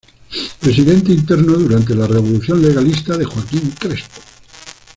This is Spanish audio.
Presidente interno durante la Revolución Legalista de Joaquín Crespo.